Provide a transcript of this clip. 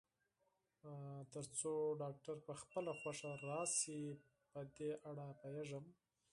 تر څو ډاکټر په خپله خوښه راشي، په دې اړه پوهېږم.